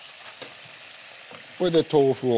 これで豆腐を。